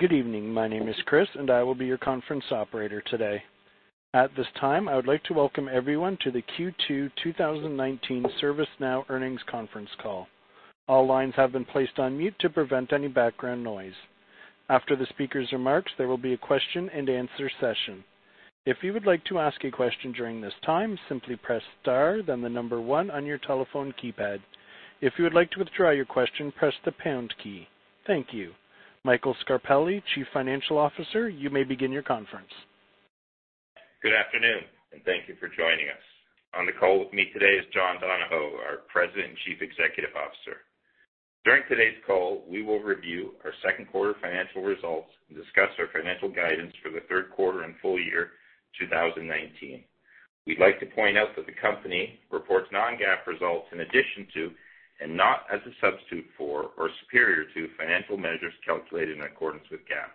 Good evening. My name is Chris, and I will be your conference operator today. At this time, I would like to welcome everyone to the Q2 2019 ServiceNow Earnings Conference Call. All lines have been placed on mute to prevent any background noise. After the speakers' remarks, there will be a question-and-answer session. If you would like to ask a question during this time, simply press star then the number one on your telephone keypad. If you would like to withdraw your question, press the pound key. Thank you. Michael Scarpelli, Chief Financial Officer, you may begin your conference. Good afternoon, and thank you for joining us. On the call with me today is John Donahoe, our President and Chief Executive Officer. During today's call, we will review our second quarter financial results and discuss our financial guidance for the third quarter and full-year 2019. We'd like to point out that the company reports non-GAAP results in addition to, and not as a substitute for or superior to, financial measures calculated in accordance with GAAP.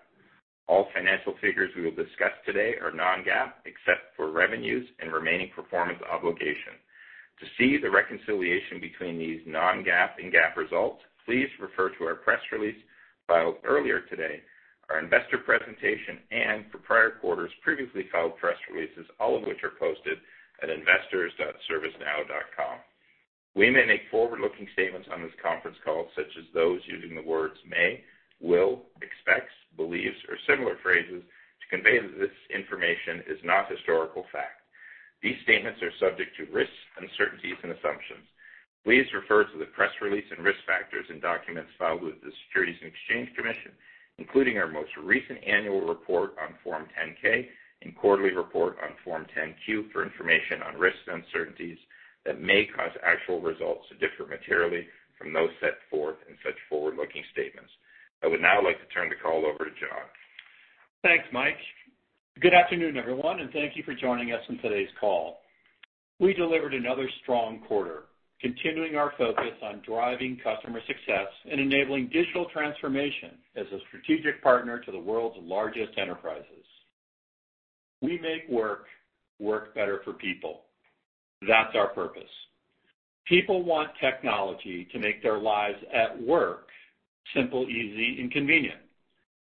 All financial figures we will discuss today are non-GAAP, except for revenues and Remaining Performance Obligation. To see the reconciliation between these non-GAAP and GAAP results, please refer to our press release filed earlier today, our investor presentation, and for prior quarters, previously filed press releases, all of which are posted at investors.servicenow.com. We may make forward-looking statements on this conference call, such as those using the words may, will, expects, believes, or similar phrases to convey that this information is not historical fact. These statements are subject to risks, uncertainties, and assumptions. Please refer to the press release and risk factors in documents filed with the Securities and Exchange Commission, including our most recent Annual Report on Form 10-K and quarterly report on Form 10-Q for information on risks and uncertainties that may cause actual results to differ materially from those set forth in such forward-looking statements. I would now like to turn the call over to John. Thanks, Mike. Good afternoon, everyone, and thank you for joining us on today's call. We delivered another strong quarter, continuing our focus on driving customer success and enabling digital transformation as a strategic partner to the world's largest enterprises. We make work better for people. That's our purpose. People want technology to make their lives at work simple, easy, and convenient,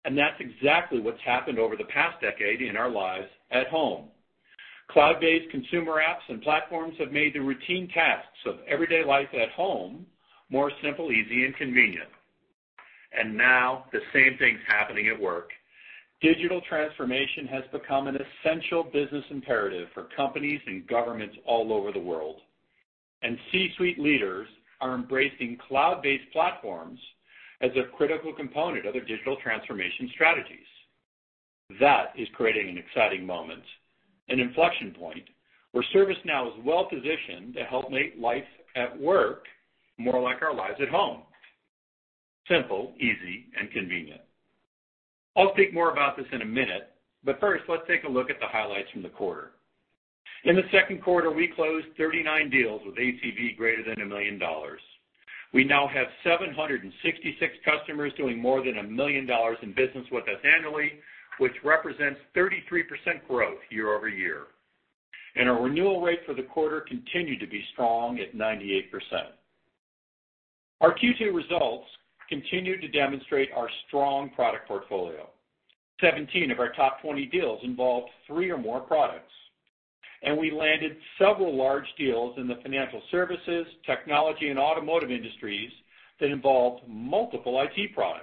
and that's exactly what's happened over the past decade in our lives at home. Cloud-based consumer apps and platforms have made the routine tasks of everyday life at home more simple, easy, and convenient. Now, the same thing's happening at work. Digital transformation has become an essential business imperative for companies and governments all over the world, C-suite leaders are embracing cloud-based platforms as a critical component of their digital transformation strategies. That is creating an exciting moment, an inflection point where ServiceNow is well-positioned to help make life at work more like our lives at home, simple, easy, and convenient. First, let's take a look at the highlights from the quarter. In the second quarter, we closed 39 deals with ACV greater than $1 million. We now have 766 customers doing more than $1 million in business with us annually, which represents 33% growth year-over-year. Our renewal rate for the quarter continued to be strong at 98%. Our Q2 results continued to demonstrate our strong product portfolio. 17 of our top 20 deals involved three or more products, and we landed several large deals in the financial services, technology, and automotive industries that involved multiple IT products.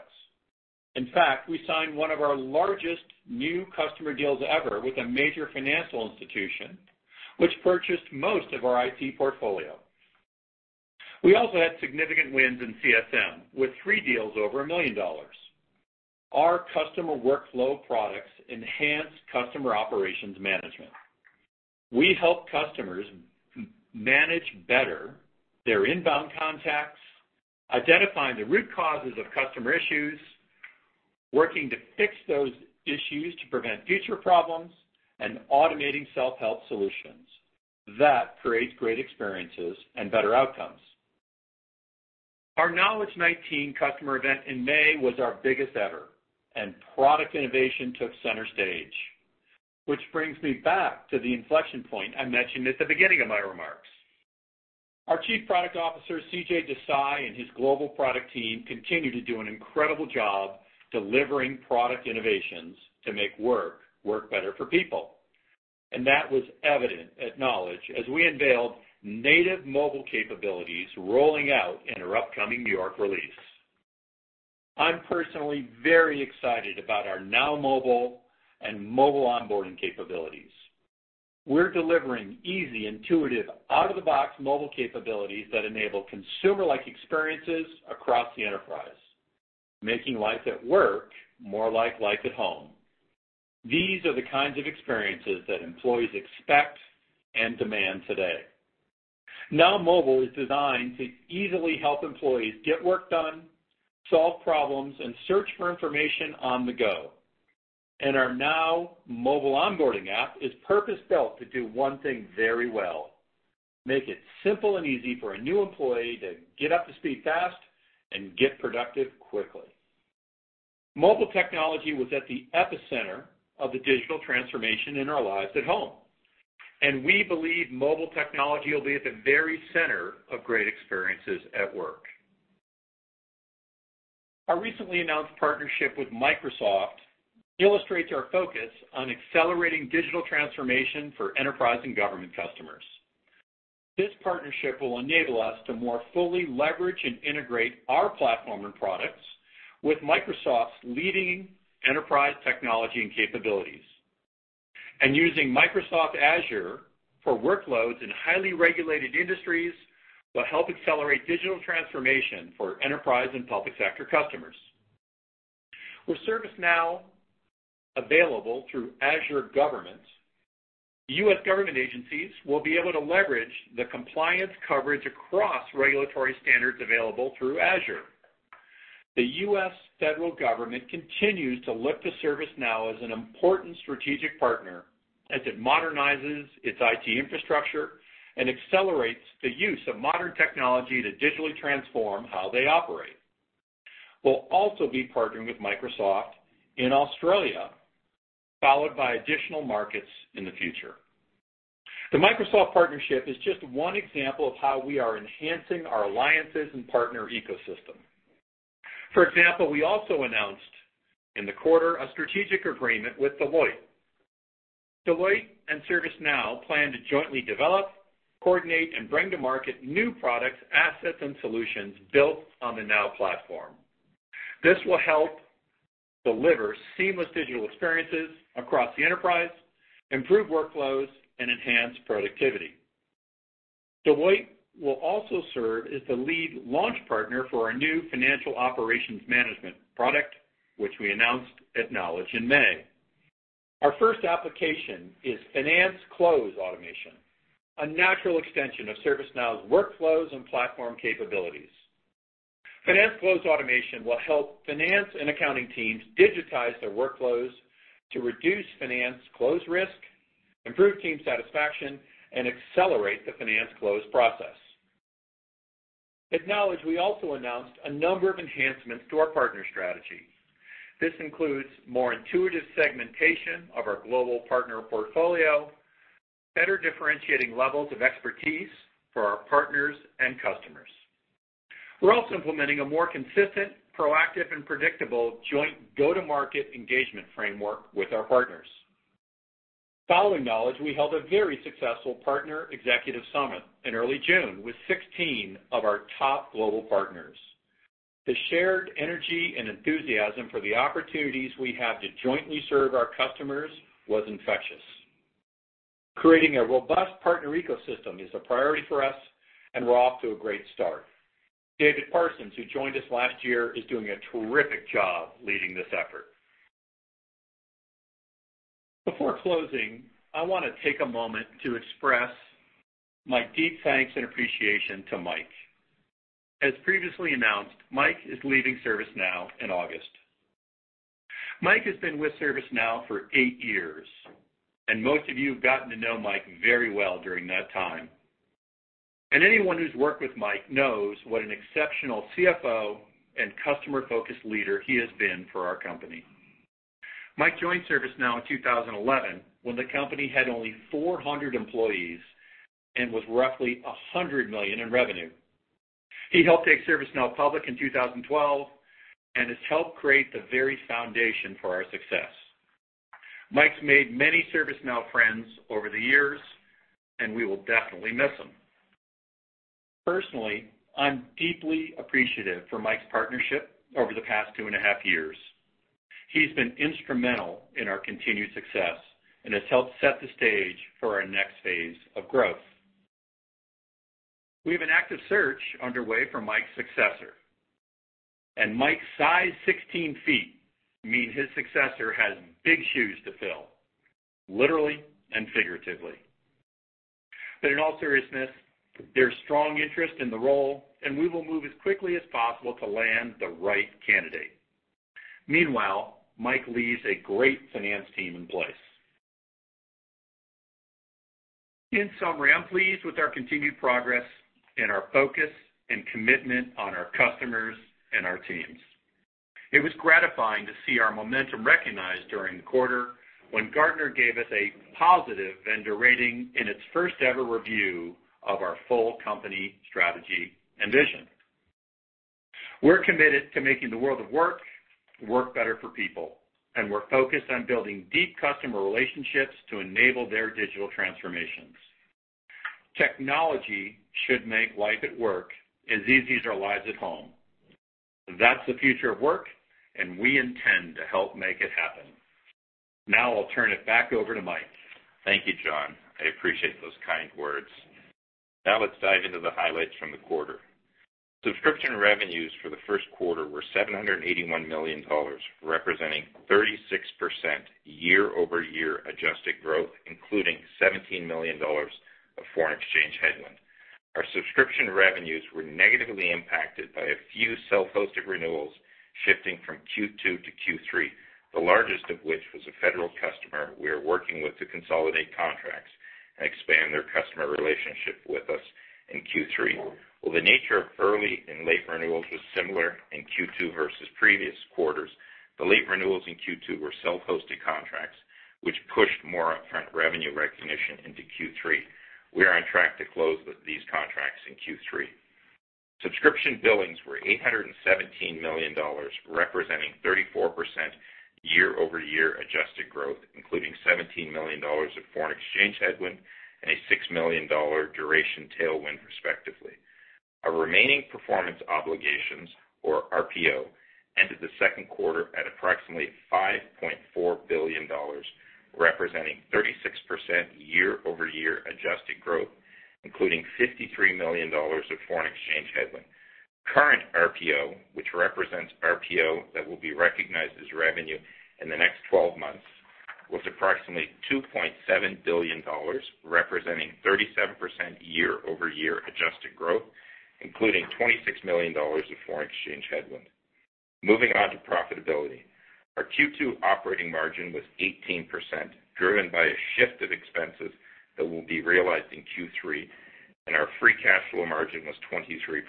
In fact, we signed one of our largest new customer deals ever with a major financial institution, which purchased most of our IT portfolio. We also had significant wins in CSM, with three deals over $1 million. Our customer workflow products enhance customer operations management. We help customers manage better their inbound contacts, identifying the root causes of customer issues, working to fix those issues to prevent future problems, and automating self-help solutions. That creates great experiences and better outcomes. Our Knowledge19 customer event in May was our biggest ever, and product innovation took center stage. Which brings me back to the inflection point I mentioned at the beginning of my remarks. Our Chief Product Officer, CJ Desai, and his global product team continue to do an incredible job delivering product innovations to make work better for people. That was evident at Knowledge as we unveiled native mobile capabilities rolling out in our upcoming New York release. I'm personally very excited about our Now Mobile and mobile onboarding capabilities. We're delivering easy, intuitive, out-of-the-box mobile capabilities that enable consumer-like experiences across the enterprise, making life at work more like life at home. These are the kinds of experiences that employees expect and demand today. Now Mobile is designed to easily help employees get work done, solve problems, and search for information on the go. Our Now Mobile onboarding app is purpose-built to do one thing very well, make it simple and easy for a new employee to get up to speed fast and get productive quickly. Mobile technology was at the epicenter of the digital transformation in our lives at home. We believe mobile technology will be at the very center of great experiences at work. Our recently announced partnership with Microsoft illustrates our focus on accelerating digital transformation for enterprise and government customers. This partnership will enable us to more fully leverage and integrate our platform and products with Microsoft's leading enterprise technology and capabilities. Using Microsoft Azure for workloads in highly regulated industries will help accelerate digital transformation for enterprise and public sector customers. With ServiceNow available through Azure Government, U.S. government agencies will be able to leverage the compliance coverage across regulatory standards available through Azure. The U.S. federal government continues to look to ServiceNow as an important strategic partner as it modernizes its IT infrastructure and accelerates the use of modern technology to digitally transform how they operate. We'll also be partnering with Microsoft in Australia, followed by additional markets in the future. The Microsoft partnership is just one example of how we are enhancing our alliances and partner ecosystem. For example, we also announced in the quarter a strategic agreement with Deloitte. Deloitte and ServiceNow plan to jointly develop, coordinate, and bring to market new products, assets, and solutions built on the Now Platform. This will help deliver seamless digital experiences across the enterprise, improve workflows, and enhance productivity. Deloitte will also serve as the lead launch partner for our new Financial Operations Management product, which we announced at Knowledge in May. Our first application is Finance Close Automation, a natural extension of ServiceNow's workflows and platform capabilities. Finance Close Automation will help finance and accounting teams digitize their workflows to reduce finance close risk, improve team satisfaction, and accelerate the finance close process. At Knowledge, we also announced a number of enhancements to our partner strategy. This includes more intuitive segmentation of our global partner portfolio, better differentiating levels of expertise for our partners and customers. We're also implementing a more consistent, proactive, and predictable joint go-to-market engagement framework with our partners. Following Knowledge, we held a very successful partner executive summit in early June with 16 of our top global partners. The shared energy and enthusiasm for the opportunities we have to jointly serve our customers was infectious. Creating a robust partner ecosystem is a priority for us, and we're off to a great start. David Parsons, who joined us last year, is doing a terrific job leading this effort. Before closing, I want to take a moment to express my deep thanks and appreciation to Mike. As previously announced, Mike is leaving ServiceNow in August. Mike has been with ServiceNow for eight years, and most of you have gotten to know Mike very well during that time. Anyone who's worked with Mike knows what an exceptional CFO and customer-focused leader he has been for our company. Mike joined ServiceNow in 2011 when the company had only 400 employees and was roughly $100 million in revenue. He helped take ServiceNow public in 2012 and has helped create the very foundation for our success. Mike's made many ServiceNow friends over the years, and we will definitely miss him. Personally, I'm deeply appreciative for Mike's partnership over the past two and a half years. He's been instrumental in our continued success and has helped set the stage for our next phase of growth. We have an active search underway for Mike's successor, and Mike's size 16 feet mean his successor has big shoes to fill, literally and figuratively. In all seriousness, there's strong interest in the role, and we will move as quickly as possible to land the right candidate. Meanwhile, Mike leaves a great finance team in place. In summary, I'm pleased with our continued progress and our focus and commitment on our customers and our teams. It was gratifying to see our momentum recognized during the quarter when Gartner gave us a positive vendor rating in its first-ever review of our full company strategy and vision. We're committed to making the world of work better for people, and we're focused on building deep customer relationships to enable their digital transformations. Technology should make life at work as easy as our lives at home. That's the future of work, and we intend to help make it happen. I'll turn it back over to Mike. Thank you, John. I appreciate those kind words. Let's dive into the highlights from the quarter. Subscription revenues for the first quarter were $781 million, representing 36% year-over-year adjusted growth, including $17 million of foreign exchange headwind. Our subscription revenues were negatively impacted by a few self-hosted renewals shifting from Q2-Q3, the largest of which was a federal customer we are working with to consolidate contracts and expand their customer relationship. Well, the nature of early and late renewals was similar in Q2 versus previous quarters. The late renewals in Q2 were self-hosted contracts, which pushed more upfront revenue recognition into Q3. We are on track to close these contracts in Q3. Subscription billings were $817 million, representing 34% year-over-year adjusted growth, including $17 million of foreign exchange headwind and a $6 million duration tailwind respectively. Our remaining performance obligations, or RPO, ended the second quarter at approximately $5.4 billion, representing 36% year-over-year adjusted growth, including $53 million of foreign exchange headwind. Current RPO, which represents RPO that will be recognized as revenue in the next 12 months, was approximately $2.7 billion, representing 37% year-over-year adjusted growth, including $26 million of foreign exchange headwind. Moving on to profitability. Our Q2 operating margin was 18%, driven by a shift of expenses that will be realized in Q3, and our free cash flow margin was 23%.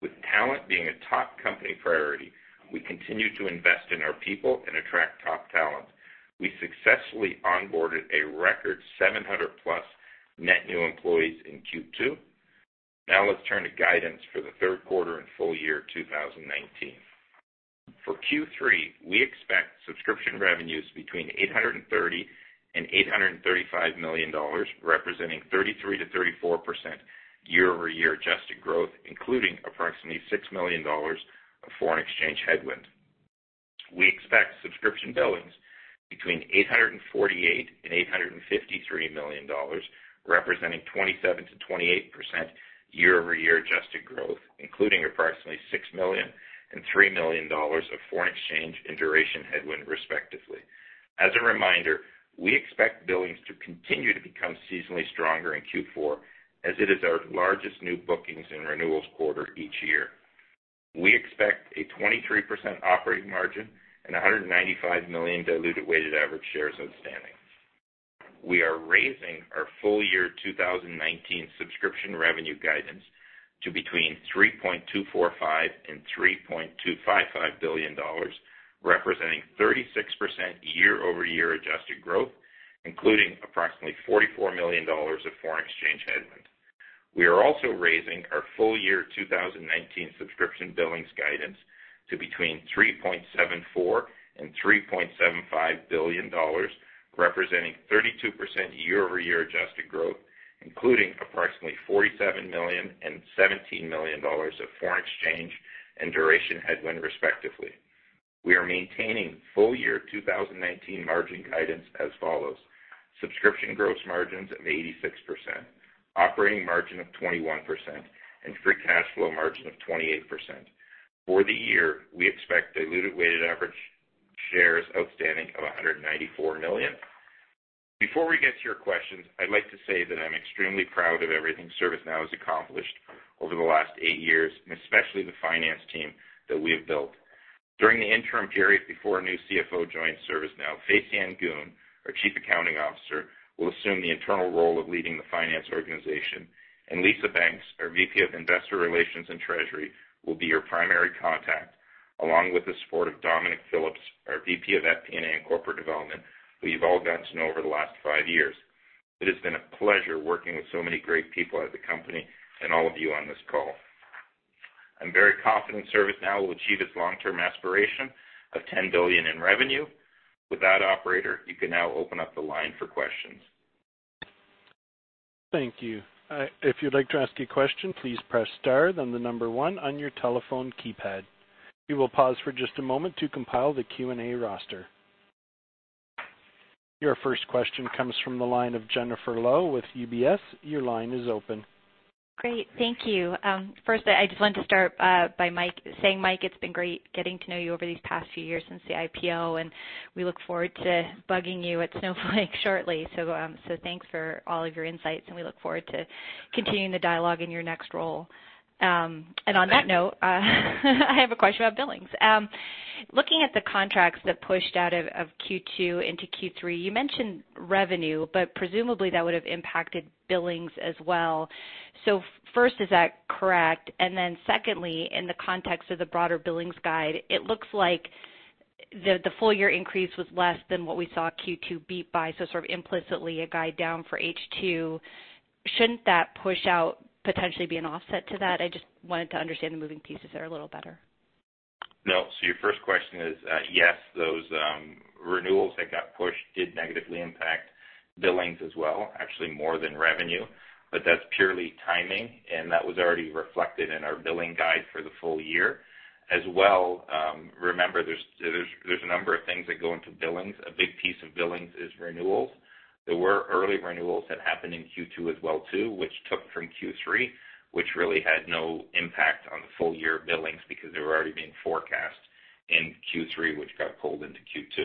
With talent being a top company priority, we continue to invest in our people and attract top talent. We successfully onboarded a record 700+ net new employees in Q2. Now let's turn to guidance for the third quarter and full-year 2019. For Q3, we expect subscription revenues between $830 million and $835 million, representing 33%-34% year-over-year adjusted growth, including approximately $6 million of foreign exchange headwind. We expect subscription billings between $848 million and $853 million, representing 27%-28% year-over-year adjusted growth, including approximately $6 million and $3 million of foreign exchange and duration headwind, respectively. As a reminder, we expect billings to continue to become seasonally stronger in Q4 as it is our largest new bookings and renewals quarter each year. We expect a 23% operating margin and 195 million diluted weighted average shares outstanding. We are raising our full-year 2019 subscription revenue guidance to between $3.245 billion and $3.255 billion, representing 36% year-over-year adjusted growth, including approximately $44 million of foreign exchange headwind. We are also raising our full-year 2019 subscription billings guidance to between $3.74 billion and $3.75 billion, representing 32% year-over-year adjusted growth, including approximately $47 million and $17 million of foreign exchange and duration headwind, respectively. We are maintaining full-year 2019 margin guidance as follows: subscription gross margins of 86%, operating margin of 21%, and free cash flow margin of 28%. For the year, we expect diluted weighted average shares outstanding of 194 million. Before we get to your questions, I'd like to say that I'm extremely proud of everything ServiceNow has accomplished over the last eight years, and especially the finance team that we have built. During the interim period before a new CFO joins ServiceNow, Fay Sien Goon, our Chief Accounting Officer, will assume the internal role of leading the finance organization, and Lisa Banks, our VP of Investor Relations and Treasury, will be your primary contact, along with the support of Dominic Phillips, our VP of FP&A and Corporate Development, who you've all gotten to know over the last five years. It has been a pleasure working with so many great people at the company and all of you on this call. I'm very confident ServiceNow will achieve its long-term aspiration of $10 billion in revenue. With that, operator, you can now open up the line for questions. Thank you. If you'd like to ask a question, please press star, then the number one on your telephone keypad. We will pause for just a moment to compile the Q&A roster. Your first question comes from the line of Jennifer Lowe with UBS. Your line is open. Great. Thank you. First, I just wanted to start by saying, Mike, it's been great getting to know you over these past few years since the IPO, and we look forward to bugging you at Snowflake shortly. Thanks for all of your insights, and we look forward to continuing the dialogue in your next role. Thanks. On that note, I have a question about billings. Looking at the contracts that pushed out of Q2 into Q3, you mentioned revenue, but presumably that would have impacted billings as well. First, is that correct? Secondly, in the context of the broader billings guide, it looks like the full-year increase was less than what we saw Q2 beat by, so sort of implicitly a guide down for H2. Shouldn't that push out potentially be an offset to that? I just wanted to understand the moving pieces there a little better. No. Your first question is, yes, those renewals that got pushed did negatively impact billings as well, actually more than revenue, but that's purely timing, and that was already reflected in our billing guide for the full-year. As well, remember, there's a number of things that go into billings. A big piece of billings is renewals. There were early renewals that happened in Q2 as well too, which took from Q3, which really had no impact on the full-year billings because they were already being forecast in Q3, which got pulled into Q2.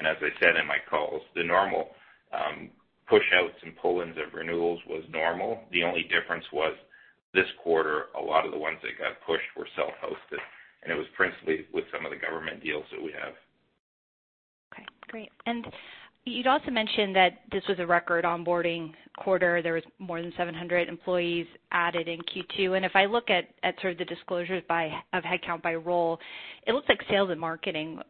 As I said in my calls, the normal pushouts and pull-ins of renewals was normal. The only difference was this quarter, a lot of the ones that got pushed were self-hosted, and it was principally with some of the government deals that we have Great. You'd also mentioned that this was a record onboarding quarter. There was more than 700 employees added in Q2. If I look at sort of the disclosures of headcount by role, it looks like sales and marketing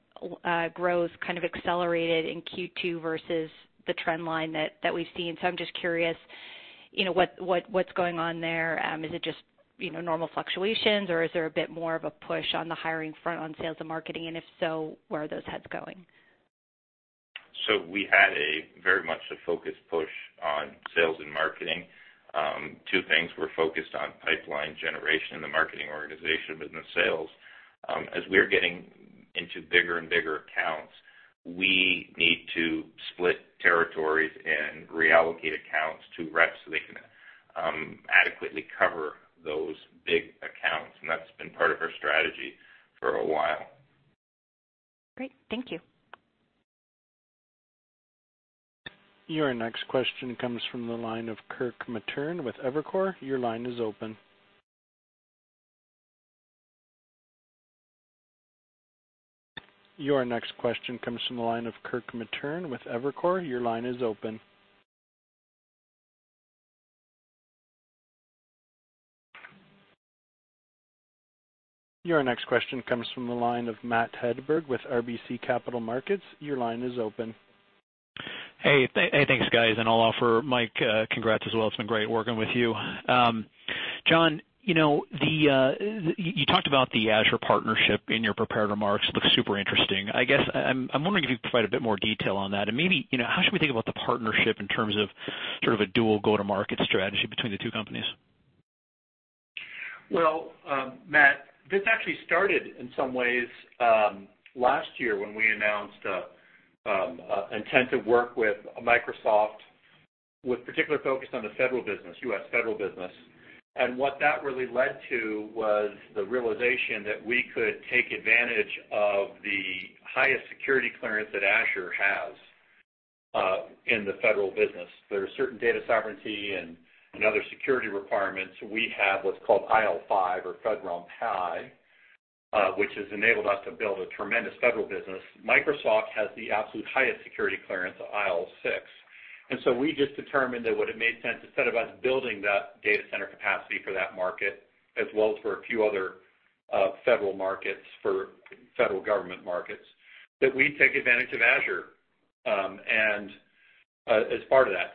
growth kind of accelerated in Q2 versus the trend line that we've seen. I'm just curious what's going on there? Is it just normal fluctuations or is there a bit more of a push on the hiring front on sales and marketing? If so, where are those heads going? We had very much a focused push on sales and marketing. Two things, we're focused on pipeline generation in the marketing organization business sales. As we are getting into bigger and bigger accounts, we need to split territories and reallocate accounts to reps so they can adequately cover those big accounts, and that's been part of our strategy for a while. Great. Thank you. Your next question comes from the line of Kirk Materne with Evercore. Your line is open. Your next question comes from the line of Matt Hedberg with RBC Capital Markets. Your line is open. Hey, thanks guys, and I'll offer Mike congrats as well. It's been great working with you. John, you talked about the Azure partnership in your prepared remarks. Looks super interesting. I guess I'm wondering if you could provide a bit more detail on that. Maybe, how should we think about the partnership in terms of sort of a dual go-to-market strategy between the two companies? Well, Matt, this actually started in some ways, last year when we announced intent to work with Microsoft, with particular focus on the federal business, U.S. federal business. What that really led to was the realization that we could take advantage of the highest security clearance that Azure has in the federal business. There are certain data sovereignty and other security requirements. We have what's called IL5 or FedRAMP High, which has enabled us to build a tremendous federal business. Microsoft has the absolute highest security clearance of IL6. We just determined that would it made sense, instead of us building that data center capacity for that market, as well as for a few other federal markets for federal government markets, that we take advantage of Azure as part of that.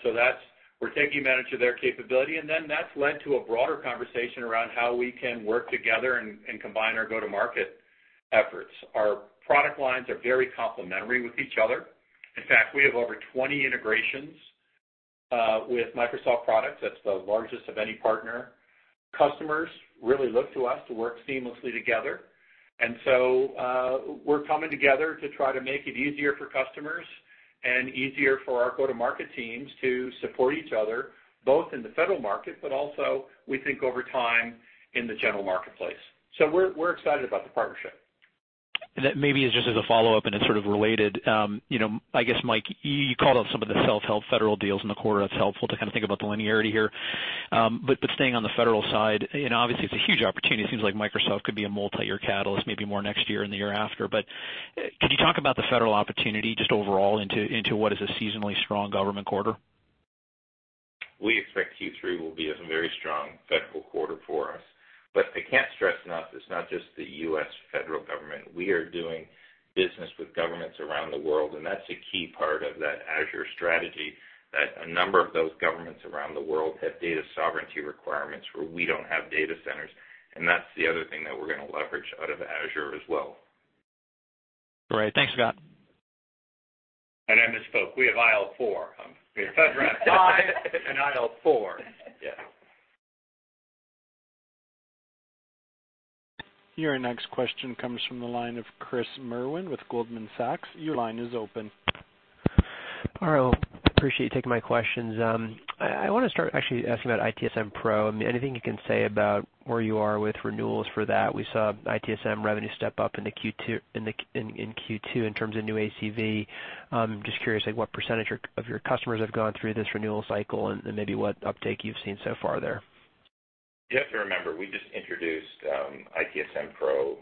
We're taking advantage of their capability, and then that's led to a broader conversation around how we can work together and combine our go-to-market efforts. Our product lines are very complementary with each other. In fact, we have over 20 integrations with Microsoft products. That's the largest of any partner. Customers really look to us to work seamlessly together. We're coming together to try to make it easier for customers and easier for our go-to-market teams to support each other, both in the federal market, but also we think over time in the general marketplace. We're excited about the partnership. Maybe just as a follow-up, it's sort of related, I guess, Mike, you called out some of the self-hosted federal deals in the quarter. That's helpful to kind of think about the linearity here. Staying on the federal side, obviously it's a huge opportunity. It seems like Microsoft could be a multi-year catalyst, maybe more next year and the year after. Could you talk about the federal opportunity just overall into what is a seasonally strong government quarter? We expect Q3 will be a very strong federal quarter for us. I can't stress enough, it's not just the U.S. federal government. We are doing business with governments around the world, and that's a key part of that Azure strategy, that a number of those governments around the world have data sovereignty requirements where we don't have data centers, and that's the other thing that we're going to leverage out of Azure as well. Great. Thanks, guys. I misspoke. We have IL4. We have FedRAMP High and IL4. Yeah. Your next question comes from the line of Chris Merwin with Goldman Sachs. Your line is open. All right. Well, appreciate you taking my questions. I want to start actually asking about ITSM Pro. Anything you can say about where you are with renewals for that? We saw ITSM revenue step up in Q2 in terms of new ACV. I'm just curious, like what % of your customers have gone through this renewal cycle and maybe what uptake you've seen so far there? You have to remember, we just introduced ITSM Pro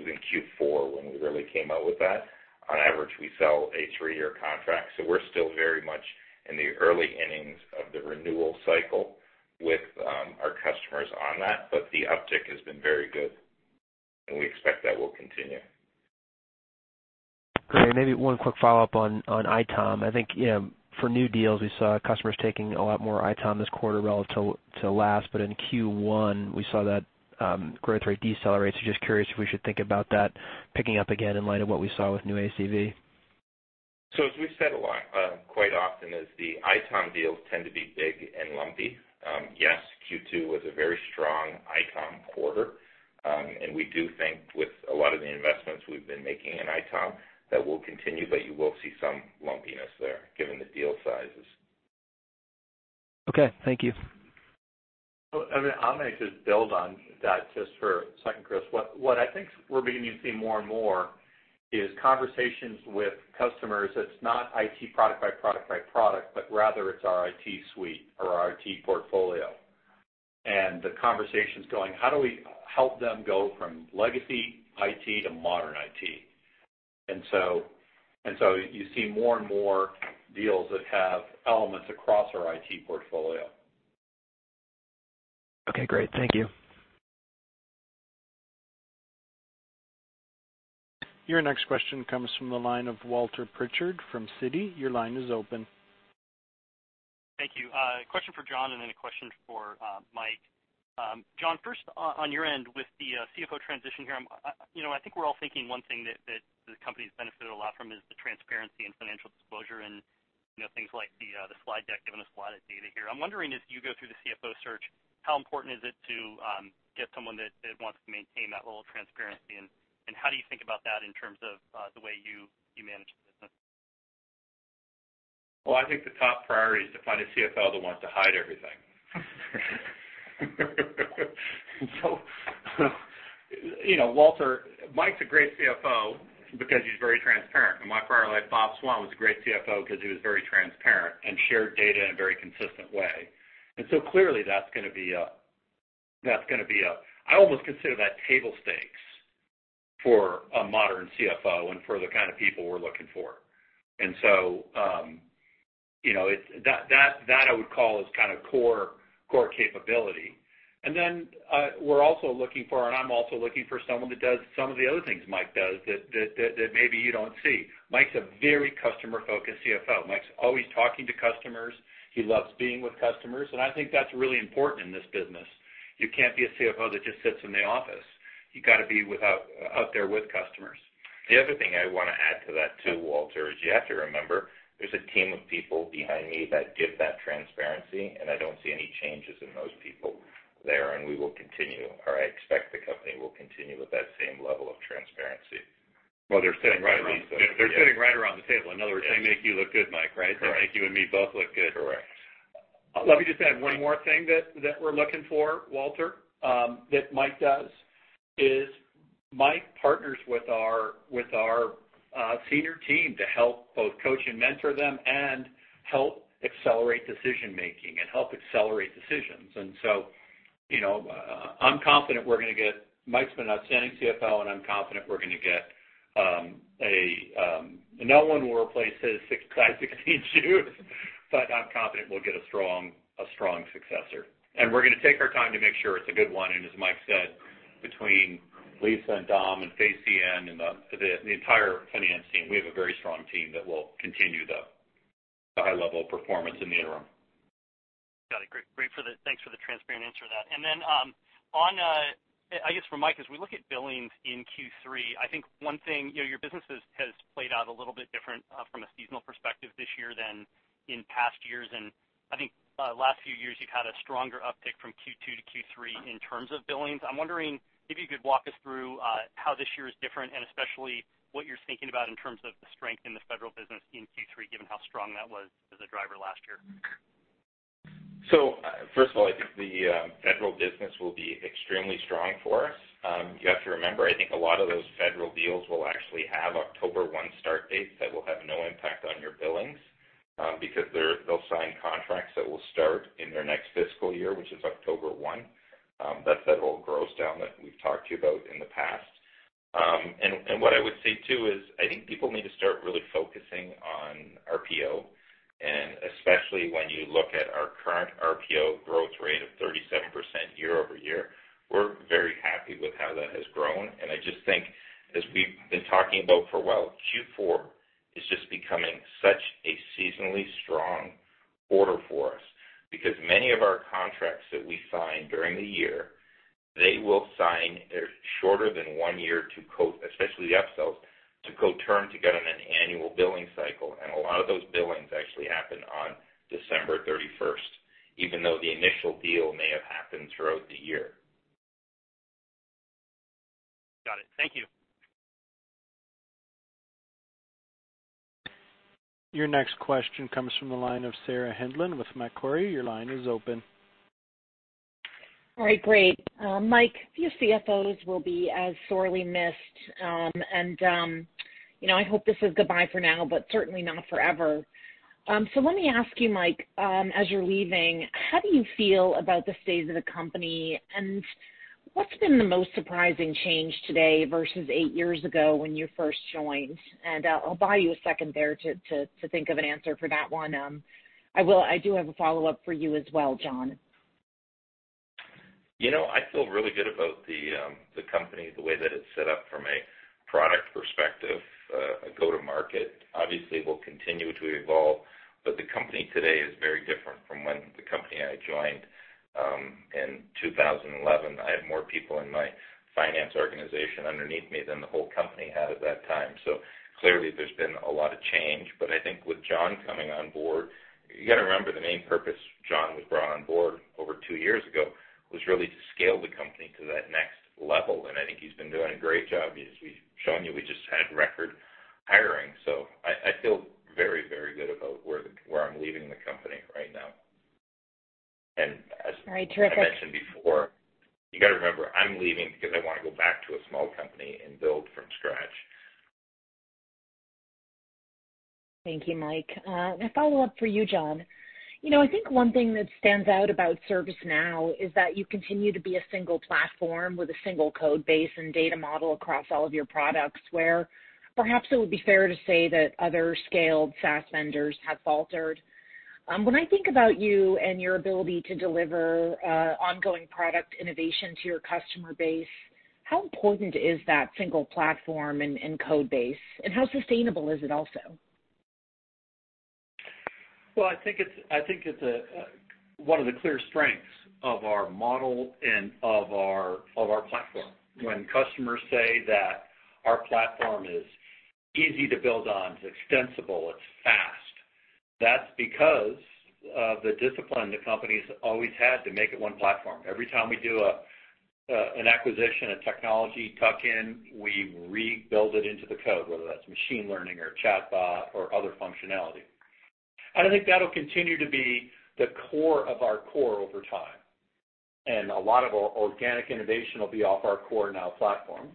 in Q4 when we really came out with that. On average, we sell a three-year contract. We're still very much in the early innings of the renewal cycle with our customers on that. The uptick has been very good, and we expect that will continue. Great. Maybe one quick follow-up on ITOM. I think for new deals, we saw customers taking a lot more ITOM this quarter relative to last. In Q1, we saw that growth rate decelerate, so just curious if we should think about that picking up again in light of what we saw with new ACV. As we've said quite often is the ITOM deals tend to be big and lumpy. Yes, Q2 was a very strong ITOM quarter. We do think with a lot of the investments we've been making in ITOM, that will continue, but you will see some lumpiness there given the deal sizes. Okay. Thank you. I'm going to just build on that just for a second, Chris. What I think we're beginning to see more and more is conversations with customers that's not IT product by product by product, but rather it's our IT suite or our IT portfolio. The conversation's going, how do we help them go from legacy IT to modern IT? You see more and more deals that have elements across our IT portfolio. Okay, great. Thank you. Your next question comes from the line of Walter Pritchard from Citi. Your line is open. Thank you. A question for John and then a question for Mike. John, first on your end with the CFO transition here, I think we're all thinking one thing that the company's benefited a lot from is the transparency and financial disclosure and things like the slide deck, giving us a lot of data here. I'm wondering as you go through the CFO search, how important is it to get someone that wants to maintain that level of transparency, and how do you think about that in terms of the way you manage the business? Well, I think the top priority is to find a CFO that wants to hide everything. Walter, Mike's a great CFO because he's very transparent. My friend Bob Swan was a great CFO because he was very transparent and shared data in a very consistent way. Clearly that's going to be I almost consider that table stakes for a modern CFO and for the kind of people we're looking for. That I would call as kind of core capability. We're also looking for, and I'm also looking for someone that does some of the other things Mike does that maybe you don't see. Mike's a very customer-focused CFO. Mike's always talking to customers. He loves being with customers, and I think that's really important in this business. You can't be a CFO that just sits in the office. You got to be out there with customers. The other thing I want to add to that too, Walter, is you have to remember, there's a team of people behind me that give that transparency. I don't see any changes in those people there. We will continue, or I expect the company will continue with that same level of transparency. Well, they're sitting right around the table. In other words, they make you look good, Mike, right? Right. They make you and me both look good. Correct. Let me just add one more thing that we're looking for, Walter, that Mike does, is Mike partners with our senior team to help both coach and mentor them and help accelerate decision-making and help accelerate decisions. I'm confident Mike's been an outstanding CFO, and I'm confident No one will replace his size 16 shoes, but I'm confident we'll get a strong successor. We're going to take our time to make sure it's a good one. As Mike said, between Lisa and Dom and Fay Sien and the entire finance team, we have a very strong team that will continue the high level of performance in the interim. Got it. Great. Thanks for the transparent answer to that. I guess for Mike, as we look at billings in Q3, I think one thing, your business has played out a little bit different from a seasonal perspective this year than in past years. I think last few years, you've had a stronger uptick from Q2-Q3 in terms of billings. I'm wondering if you could walk us through how this year is different, and especially what you're thinking about in terms of the strength in the federal business in Q3, given how strong that was as a driver last year. First of all, I think the federal business will be extremely strong for us. You have to remember, I think a lot of those federal deals will actually have October 1 start dates that will have no impact on your billings, because they'll sign contracts that will start in their next fiscal year, which is October 1. That's that whole gross down that we've talked to you about in the past. What I would say, too, is I think people need to start really focusing on RPO, and especially when you look at our current RPO growth rate of 37% year-over-year, we're very happy with how that has grown. I just think, as we've been talking about for a while, Q4 is just becoming such a seasonally strong quarter for us because many of our contracts that we sign during the year, they will sign shorter than one year, especially the upsells, to co-term to get on an annual billing cycle. A lot of those billings actually happen on December 31st, even though the initial deal may have happened throughout the year. Got it. Thank you. Your next question comes from the line of Sarah Hindlian with Macquarie. Your line is open. All right, great. Mike, few CFOs will be as sorely missed. I hope this is goodbye for now, but certainly not forever. Let me ask you, Mike, as you're leaving, how do you feel about the state of the company, and what's been the most surprising change today versus eight years ago when you first joined? I'll buy you a second there to think of an answer for that one. I do have a follow-up for you as well, John. I feel really good about the company, the way that it's set up from a product perspective, a go-to-market. Obviously, we'll continue to evolve, the company today is very different from when the company I joined in 2011. I have more people in my finance organization underneath me than the whole company had at that time. Clearly there's been a lot of change, but I think with John coming on board, you got to remember the main purpose John was brought on board over two years ago was really to scale the company to that next level, and I think he's been doing a great job. As we've shown you, we just had record hiring. I feel very good about where I'm leaving the company right now. All right. Terrific. I mentioned before, you got to remember, I'm leaving because I want to go back to a small company and build from scratch. Thank you, Mike. A follow-up for you, John. I think one thing that stands out about ServiceNow is that you continue to be a single platform with a single code base and data model across all of your products, where perhaps it would be fair to say that other scaled SaaS vendors have faltered. When I think about you and your ability to deliver ongoing product innovation to your customer base, how important is that single platform and code base, and how sustainable is it also? Well, I think it's one of the clear strengths of our model and of our platform. When customers say that our platform is easy to build on, it's extensible, it's fast, that's because of the discipline the company's always had to make it one platform. Every time we do an acquisition, a technology tuck-in, we rebuild it into the code, whether that's machine learning or chatbot or other functionality. I think that'll continue to be the core of our core over time. A lot of organic innovation will be off our core Now Platform.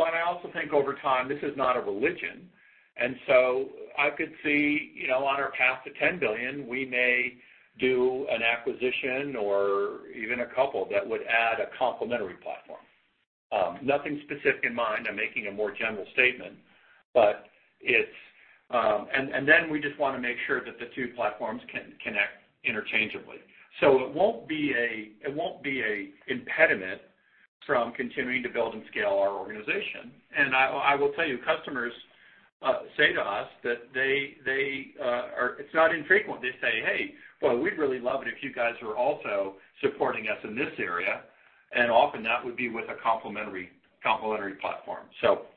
I also think over time, this is not a religion. I could see, on our path to 10 billion, we may do an acquisition or even a couple that would add a complementary platform. Nothing specific in mind, I'm making a more general statement, and then we just want to make sure that the two platforms can connect interchangeably. It won't be a impediment from continuing to build and scale our organization. I will tell you, customers say to us, it's not infrequent, they say, Hey, well, we'd really love it if you guys were also supporting us in this area, and often that would be with a complementary platform.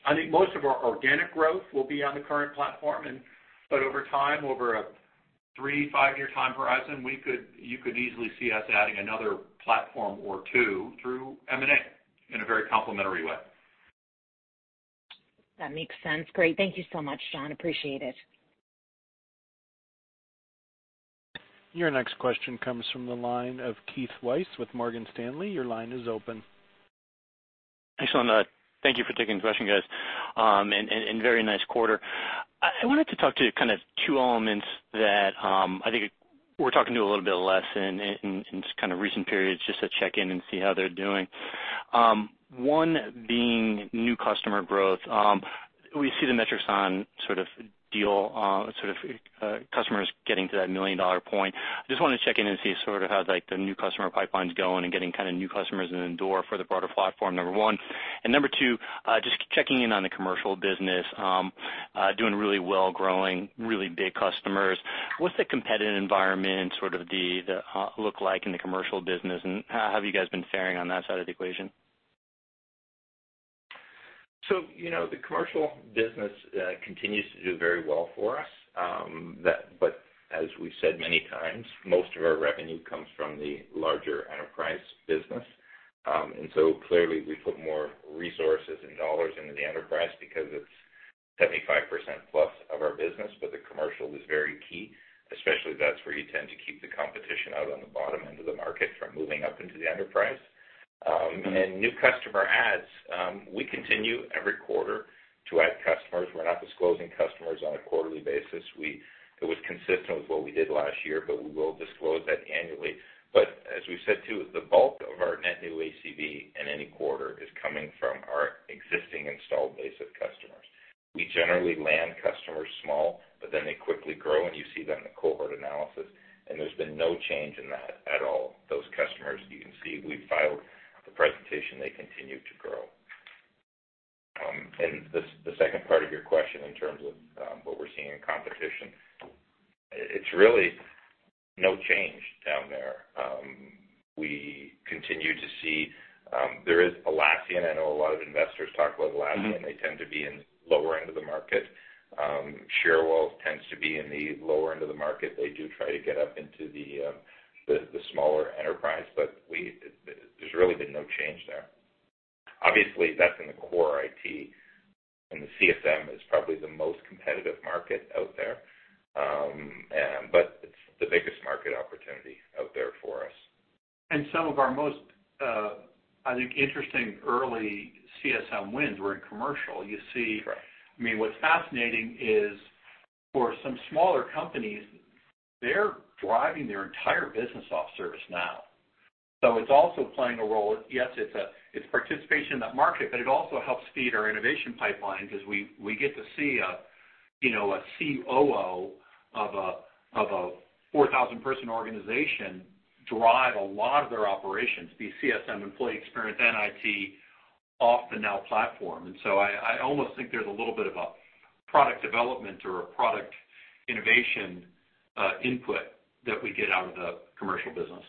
I think most of our organic growth will be on the current platform, but over time, over a three, five-year time horizon, you could easily see us adding another platform or two through M&A in a very complementary way. That makes sense. Great. Thank you so much, John. Appreciate it. Your next question comes from the line of Keith Weiss with Morgan Stanley. Your line is open. Excellent. Thank you for taking the question, guys. Very nice quarter. I wanted to talk to kind of two elements that I think we're talking to a little bit less in just kind of recent periods, just to check in and see how they're doing. One being new customer growth. We see the metrics on sort of customers getting to that $1 million point. I just wanted to check in and see sort of how the new customer pipeline's going and getting kind of new customers in the door for the broader platform, number one. Number two, just checking in on the commercial business. Doing really well, growing really big customers. What's the competitive environment sort of look like in the commercial business, and how have you guys been faring on that side of the equation? The commercial business continues to do very well for us. As we've said many times, most of our revenue comes from the larger enterprise business. Clearly we put more resources and dollars into the enterprise because it's 75%+ of our business. The commercial is very key, especially that's where you tend to keep the competition out on the bottom end of the market from moving up into the enterprise. New customer adds, we continue every quarter to add customers. We're not disclosing customers on a quarterly basis. It was consistent with what we did last year, but we will disclose that annually. As we said, too, the bulk of our net new ACV in any quarter is coming from our existing installed base of customers. We generally land customers small, but then they quickly grow, and you see that in the cohort analysis. There's been no change in that at all. Those customers, you can see, we filed the presentation, they continue to grow. The second part of your question in terms of what we're seeing in competition, it's really no change down there. We continue to see there is Atlassian. I know a lot of investors talk about Atlassian. They tend to be in lower end of the market. Cherwell tends to be in the lower end of the market. They do try to get up into the smaller enterprise, but there's really been no change there. Obviously that's in the core IT, and the CSM is probably the most competitive market out there. It's the biggest market opportunity out there for us. Some of our most, I think, interesting early CSM wins were in commercial. Right. I mean, what's fascinating is for some smaller companies, they're driving their entire business off ServiceNow. It's also playing a role. Yes, it's participation in that market, but it also helps feed our innovation pipeline because we get to see a COO of a 4,000-person organization drive a lot of their operations, be CSM employee experience and IT off the Now Platform. I almost think there's a little bit of a product development or a product innovation input that we get out of the commercial business.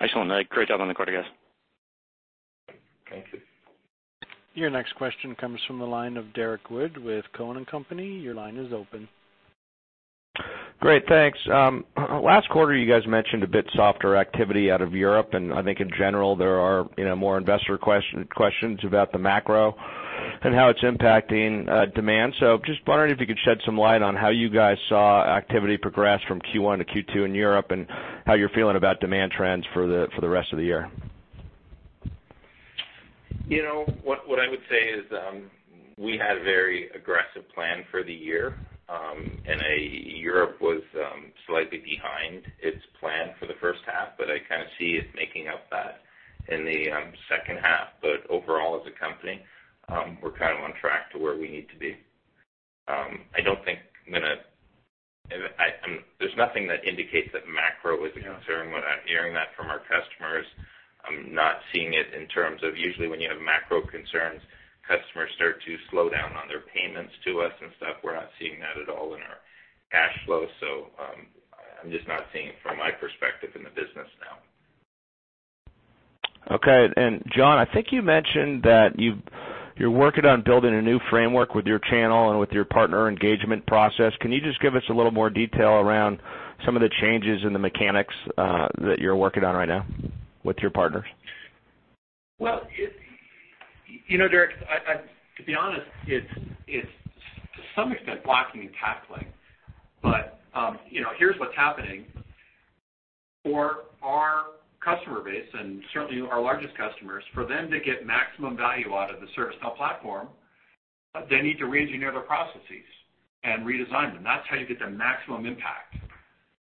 Excellent. Great job on the quarter, guys. Thank you. Your next question comes from the line of Derrick Wood with Cowen and Company. Your line is open. Great. Thanks. Last quarter, you guys mentioned a bit softer activity out of Europe, and I think in general, there are more investor questions about the macro and how it's impacting demand. Just wondering if you could shed some light on how you guys saw activity progress from Q1-Q2 in Europe, and how you're feeling about demand trends for the rest of the year. What I would say is, we had a very aggressive plan for the year, and Europe was slightly behind its plan for the first half, but I kind of see it making up that in the second half. Overall, as a company, we're kind of on track to where we need to be. There's nothing that indicates that macro is a concern. We're not hearing that from our customers. I'm not seeing it in terms of usually when you have macro concerns, customers start to slow down on their payments to us and stuff. We're not seeing that at all in our cash flow. I'm just not seeing it from my perspective in the business now. Okay. John, I think you mentioned that you're working on building a new framework with your channel and with your partner engagement process. Can you just give us a little more detail around some of the changes in the mechanics that you're working on right now with your partners? Well, Derrick, to be honest, it's to some extent, blocking and tackling. Here's what's happening. For our customer base, and certainly our largest customers, for them to get maximum value out of the ServiceNow platform, they need to re-engineer their processes and redesign them. That's how you get the maximum impact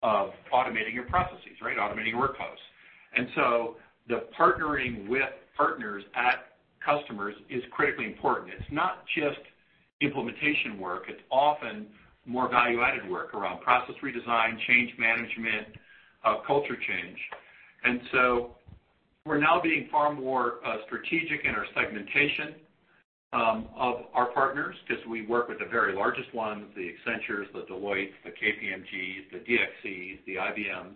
of automating your processes, right? Automating your workflows. The partnering with partners at customers is critically important. It's not just implementation work, it's often more value-added work around process redesign, change management, culture change. We're now being far more strategic in our segmentation of our partners because we work with the very largest ones, the Accenture, the Deloitte, the KPMG, the DXC, the IBM,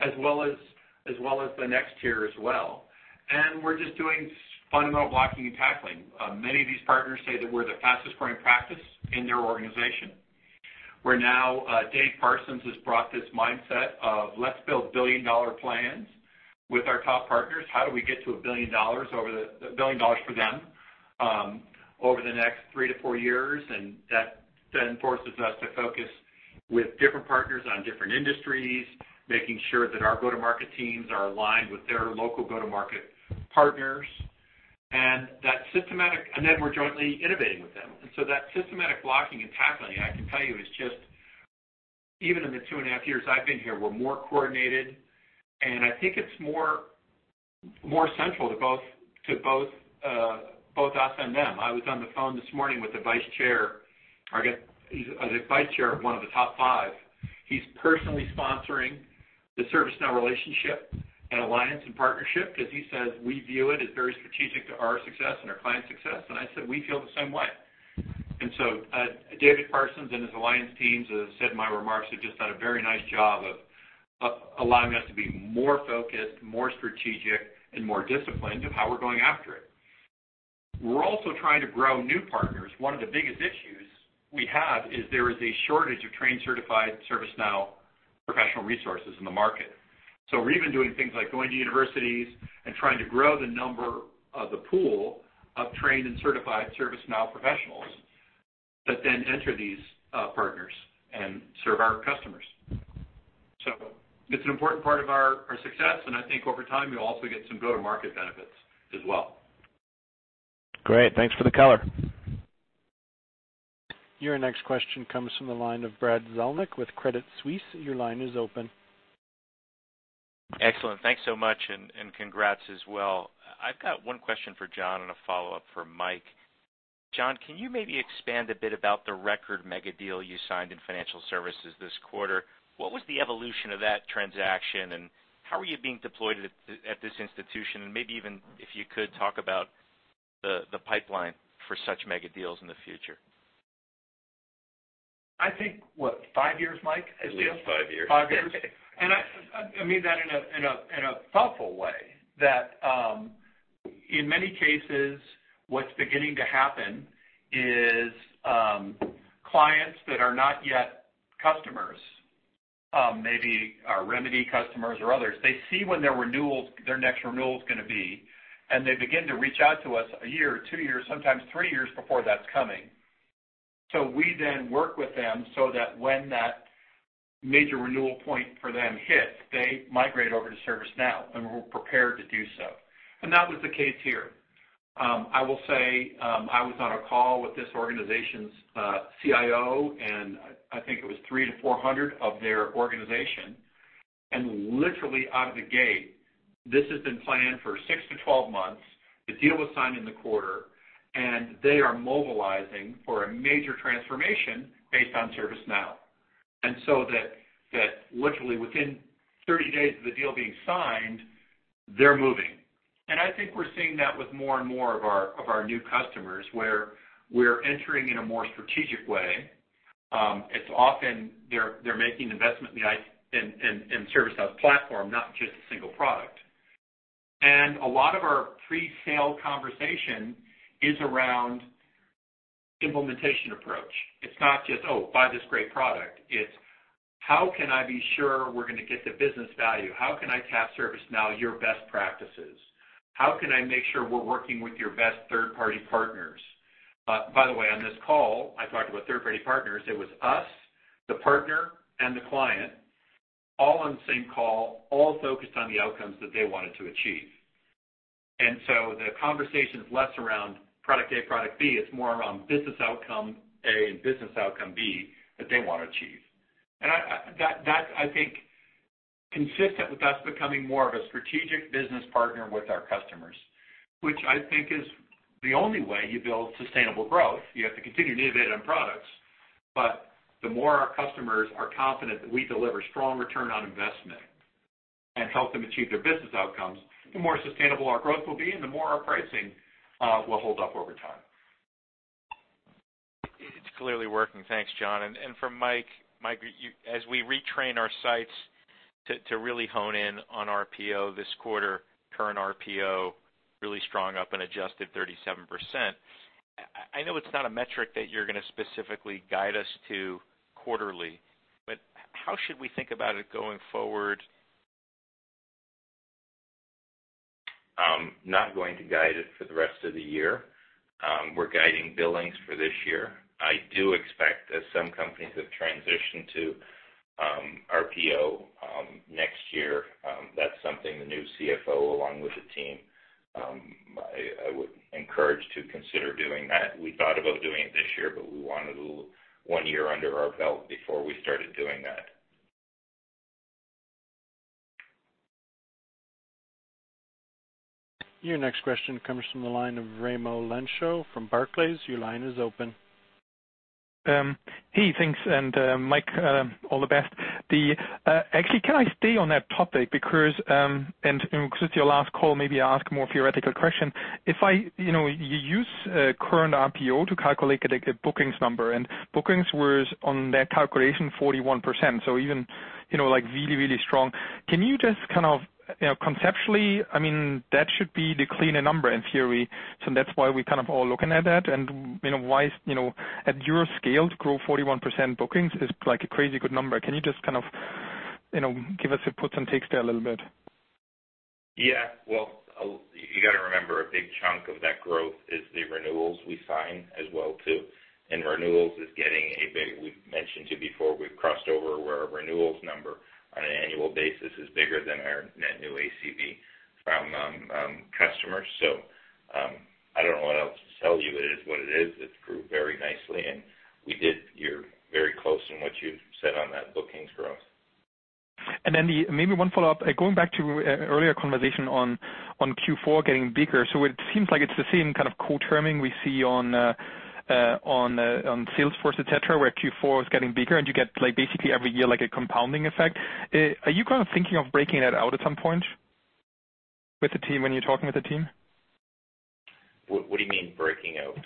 as well as the next tier as well. We're just doing fundamental blocking and tackling. Many of these partners say that we're the fastest growing practice in their organization. Dave Parsons has brought this mindset of let's build billion-dollar plans with our top partners. How do we get to $1 billion for them over the next 3-4 years? That then forces us to focus with different partners on different industries, making sure that our go-to-market teams are aligned with their local go-to-market partners. Then we're jointly innovating with them. So that systematic blocking and tackling, I can tell you, is just, even in the two and a half years I've been here, we're more coordinated, and I think it's more central to both us and them. I was on the phone this morning with the Vice Chair of one of the top five. He's personally sponsoring the ServiceNow relationship and alliance and partnership because he says, We view it as very strategic to our success and our clients' success. I said, We feel the same way. David Parsons and his alliance teams, as I said in my remarks, have just done a very nice job of allowing us to be more focused, more strategic, and more disciplined of how we're going after it. We're also trying to grow new partners. One of the biggest issues we have is there is a shortage of trained, certified ServiceNow professional resources in the market. We're even doing things like going to universities and trying to grow the number of the pool of trained and certified ServiceNow professionals that then enter these partners and serve our customers. It's an important part of our success, and I think over time, you'll also get some go-to-market benefits as well. Great. Thanks for the color. Your next question comes from the line of Brad Zelnick with Credit Suisse. Your line is open. Excellent. Thanks so much, and congrats as well. I've got one question for John and a follow-up for Mike. John, can you maybe expand a bit about the record megadeal you signed in financial services this quarter? What was the evolution of that transaction, and how are you being deployed at this institution? And maybe even if you could talk about the pipeline for such megadeals in the future. I think, what, five years, Mike? At least five years. Five years. I mean that in a thoughtful way that, in many cases, what's beginning to happen is clients that are not yet customers, maybe our Remedy customers or others, they see when their next renewal is going to be, and they begin to reach out to us a year or two years, sometimes three years before that's coming. We then work with them so that when that major renewal point for them hits, they migrate over to ServiceNow, and we're prepared to do so. That was the case here. I will say, I was on a call with this organization's CIO, and I think it was 300-400 of their organization. Literally out of the gate, this has been planned for 6-12 months. The deal was signed in the quarter, and they are mobilizing for a major transformation based on ServiceNow. That literally within 30 days of the deal being signed, they're moving. I think we're seeing that with more and more of our new customers, where we're entering in a more strategic way. It's often they're making investment in ServiceNow's platform, not just a single product. A lot of our presale conversation is around implementation approach. It's not just, Oh, buy this great product. It's how can I be sure we're going to get the business value? How can I tap ServiceNow your best practices? How can I make sure we're working with your best third-party partners? By the way, on this call, I talked about third-party partners. It was us, the partner, and the client, all on the same call, all focused on the outcomes that they wanted to achieve. The conversation is less around product A, product B, it's more around business outcome A and business outcome B that they want to achieve. That, I think, consistent with us becoming more of a strategic business partner with our customers, which I think is the only way you build sustainable growth. You have to continue to innovate on products, but the more our customers are confident that we deliver strong return on investment and help them achieve their business outcomes, the more sustainable our growth will be and the more our pricing will hold up over time. It's clearly working. Thanks, John. For Mike, as we retrain our sights to really hone in on RPO this quarter, current RPO really strong, up an adjusted 37%. I know it's not a metric that you're going to specifically guide us to quarterly, but how should we think about it going forward? I'm not going to guide it for the rest of the year. We're guiding billings for this year. I do expect, as some companies have transitioned to RPO next year, that's something the new CFO, along with the team, I would encourage to consider doing that. We thought about doing it this year, but we wanted one year under our belt before we started doing that. Your next question comes from the line of Raimo Lenschow from Barclays. Your line is open. Hey, thanks. Mike, all the best. Actually, can I stay on that topic since your last call, maybe I'll ask more theoretical question. If you use current RPO to calculate the bookings number, bookings were, on that calculation, 41%, even really strong. Can you just conceptually, that should be the cleaner number in theory, that's why we're all looking at that. At your scale, to grow 41% bookings is a crazy good number. Can you just give us the puts and takes there a little bit? Yeah. Well, you got to remember, a big chunk of that growth is the renewals we sign as well too. We've mentioned to you before, we've crossed over where our renewals number on an annual basis is bigger than our net new ACV from customers. I don't know what else to tell you. It is what it is. It grew very nicely, and you're very close in what you've said on that bookings growth. Maybe one follow-up. Going back to earlier conversation on Q4 getting bigger. It seems like it's the same kind of co-terming we see on Salesforce, et cetera, where Q4 is getting bigger and you get basically every year, a compounding effect. Are you thinking of breaking that out at some point with the team, when you're talking with the team? What do you mean breaking out?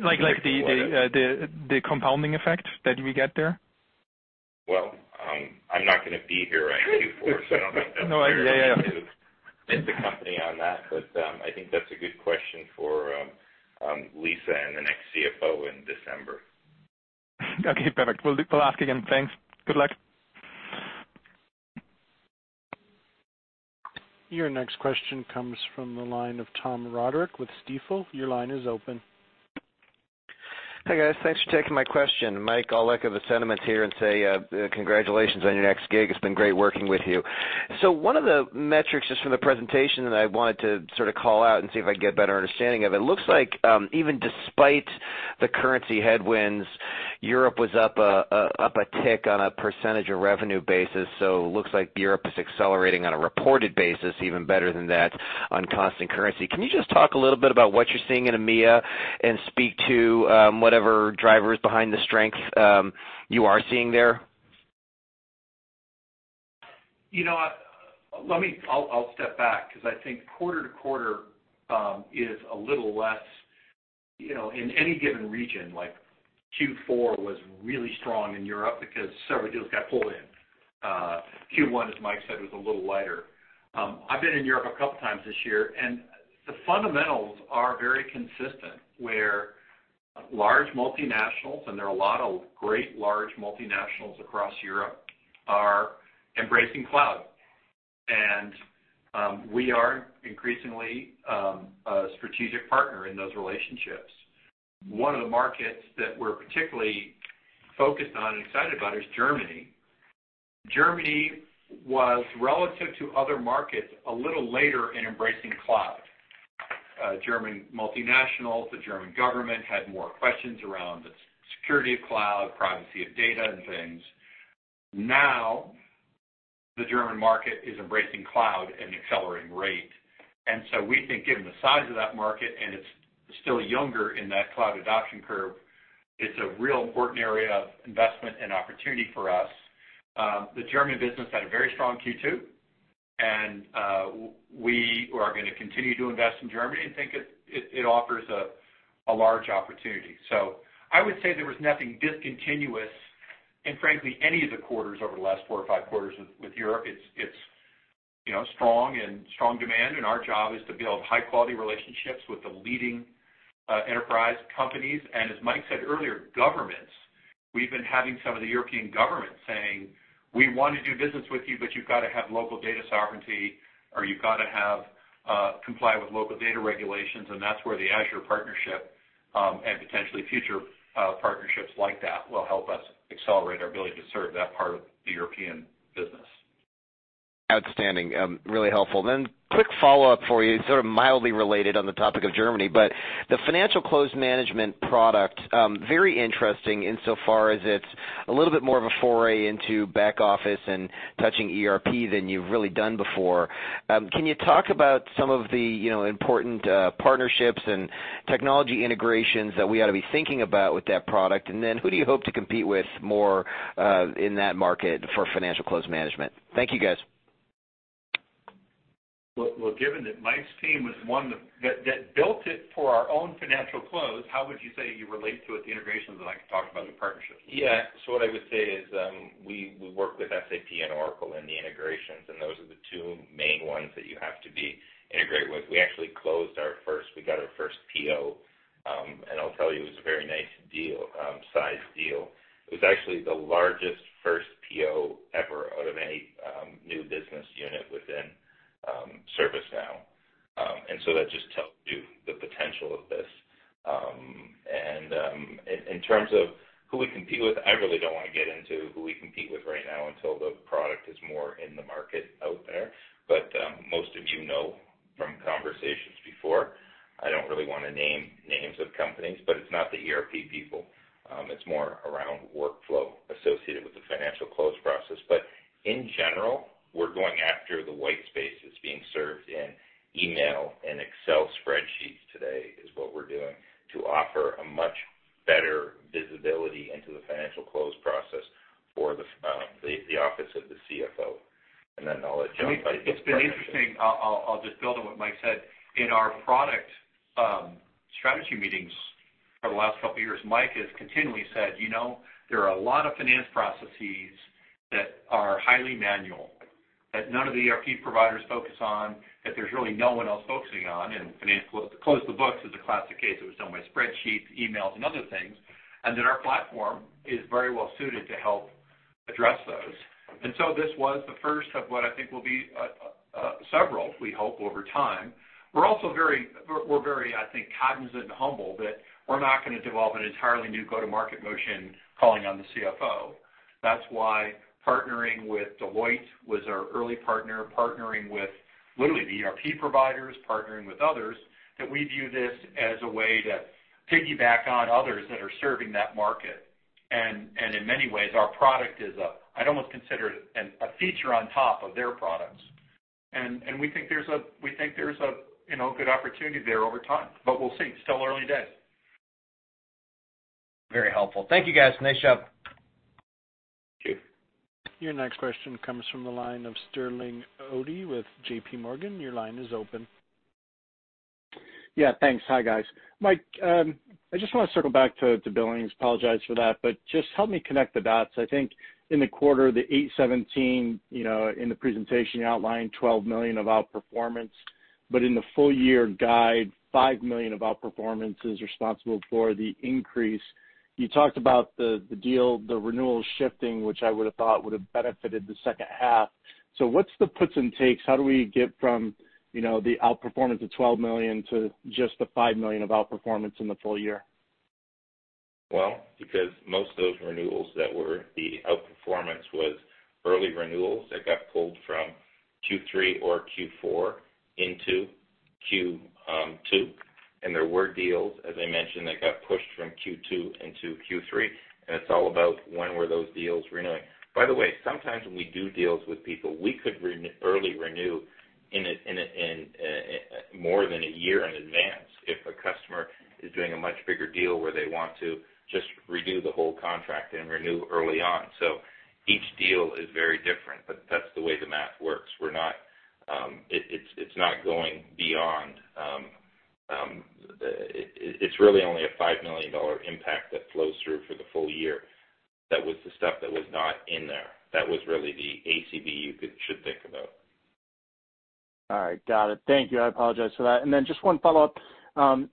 Like the compounding effect that we get there. Well, I'm not going to be here on Q4, so I don't know if that's fair for me to. No. Yeah. miss the company on that. I think that's a good question for Lisa and the next CFO in December. Okay, perfect. We'll ask again. Thanks. Good luck. Your next question comes from the line of Tom Roderick with Stifel. Your line is open. Hey, guys. Thanks for taking my question. Mike, I'll echo the sentiments here and say congratulations on your next gig. It's been great working with you. One of the metrics just from the presentation that I wanted to call out and see if I can get better understanding of it. It looks like even despite the currency headwinds, Europe was up a tick on a percentage of revenue basis. Looks like Europe is accelerating on a reported basis even better than that on constant currency. Can you just talk a little bit about what you're seeing in EMEA and speak to whatever drivers behind the strength you are seeing there? I'll step back because I think quarter-to-quarter is a little less, in any given region. Like Q4 was really strong in Europe because several deals got pulled in. Q1, as Mike said, was a little lighter. I've been in Europe a couple times this year, and the fundamentals are very consistent, where large multinationals, and there are a lot of great large multinationals across Europe, are embracing cloud. We are increasingly a strategic partner in those relationships. One of the markets that we're particularly focused on and excited about is Germany. Germany was, relative to other markets, a little later in embracing cloud. German multinationals, the German government had more questions around the security of cloud, privacy of data and things. Now, the German market is embracing cloud at an accelerating rate. We think given the size of that market, and it's still younger in that cloud adoption curve, it's a real important area of investment and opportunity for us. The German business had a very strong Q2, and we are going to continue to invest in Germany and think it offers a large opportunity. I would say there was nothing discontinuous in frankly any of the quarters over the last four or five quarters with Europe. It's strong and strong demand, and our job is to build high-quality relationships with the leading enterprise companies. As Mike said earlier, governments. We've been having some of the European governments saying, We want to do business with you, but you've got to have local data sovereignty, or You've got to comply with local data regulations. That's where the Azure partnership and potentially future partnerships like that will help us accelerate our ability to serve that part of the European business. Outstanding. Really helpful. Quick follow-up for you, sort of mildly related on the topic of Germany, but the financial close management product, very interesting in so far as it's a little bit more of a foray into back office and touching ERP than you've really done before. Can you talk about some of the important partnerships and technology integrations that we ought to be thinking about with that product? Who do you hope to compete with more in that market for financial close management? Thank you, guys. Well, given that Mike's team was one that built it for our own financial close, how would you say you relate to it, the integrations that I could talk about, the partnerships? Yeah. What I would say is, we work with SAP and Oracle in the integrations, and those are the two main ones that you have to be integrated with. We got our first PO. I'll tell you, it was a very nice deal, sized deal. It was actually the largest first PO ever out of any new business unit within ServiceNow. That just tells you the potential of this. In terms of who we compete with, I really don't want to get into who we compete with right now until the product is more in the market out there. Most of you know from conversations before, I don't really want to name names of companies, but it's not the ERP people. It's more around workflow associated with the financial close process. In general, we're going after the white space that's being served in email and Excel spreadsheets today is what we're doing to offer a much better visibility into the financial close process for the office of the CFO. Then I'll let John talk about the partnership. It's been interesting. I'll just build on what Mike said. In our product strategy meetings for the last couple of years, Mike has continually said, There are a lot of finance processes that are highly manual, that none of the ERP providers focus on, that there's really no one else focusing on, and close the books is a classic case. It was done by spreadsheets, emails, and other things. Our platform is very well suited to help address those. This was the first of what I think will be several, we hope, over time. We're also very, I think, cognizant and humble that we're not going to develop an entirely new go-to-market motion calling on the CFO. That's why partnering with Deloitte was our early partner, partnering with literally the ERP providers, partnering with others, that we view this as a way to piggyback on others that are serving that market. In many ways, our product is, I'd almost consider it a feature on top of their products. We think there's a good opportunity there over time. We'll see. Still early days. Very helpful. Thank you, guys. Nice job. Thank you. Your next question comes from the line of Sterling Auty with JPMorgan. Your line is open. Yeah, thanks. Hi, guys. Mike, I just want to circle back to billings. Apologize for that, just help me connect the dots. I think in the quarter, the $817 million, in the presentation, you outlined $12 million of outperformance. In the full-year guide, $5 million of outperformance is responsible for the increase. You talked about the deal, the renewals shifting, which I would have thought would have benefited the second half. What's the puts and takes? How do we get from the outperformance of $12 million to just the $5 million of outperformance in the full-year? Because most of those renewals that were the outperformance was early renewals that got pulled from Q3 or Q4 into Q2, and there were deals, as I mentioned, that got pushed from Q2 into Q3, and it's all about when were those deals renewing. By the way, sometimes when we do deals with people, we could early renew more than a year in advance if a customer is doing a much bigger deal where they want to just redo the whole contract and renew early on. Each deal is very different, but that's the way the math works. It's really only a $5 million impact that flows through for the full-year. That was the stuff that was not in there. That was really the ACV you should think about. All right. Got it. Thank you. I apologize for that. Just one follow-up.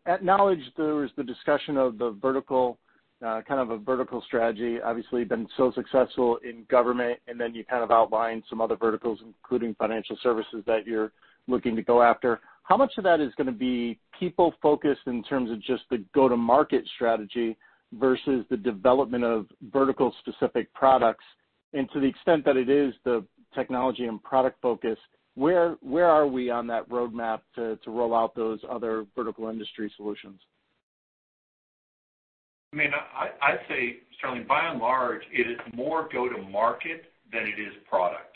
Acknowledged there was the discussion of the vertical, kind of a vertical strategy. Obviously, you've been so successful in government, then you kind of outlined some other verticals, including financial services, that you're looking to go after. How much of that is going to be people-focused in terms of just the go-to-market strategy versus the development of vertical-specific products? To the extent that it is the technology and product focus, where are we on that roadmap to roll out those other vertical industry solutions? I'd say, Sterling, by and large, it is more go-to-market than it is product.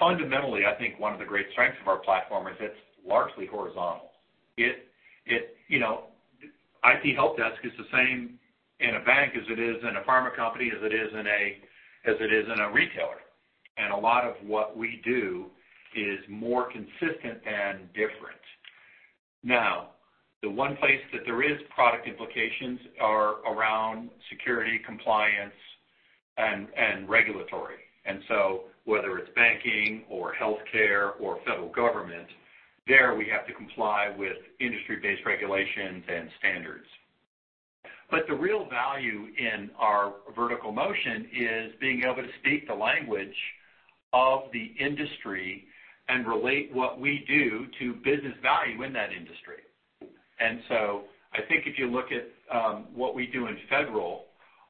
Fundamentally, I think one of the great strengths of our platform is it's largely horizontal. IT help desk is the same in a bank as it is in a pharma company, as it is in a retailer. A lot of what we do is more consistent than different. Now, the one place that there is product implications are around security compliance and regulatory. Whether it's banking or healthcare or federal government, there we have to comply with industry-based regulations and standards. The real value in our vertical motion is being able to speak the language of the industry and relate what we do to business value in that industry. I think if you look at what we do in federal,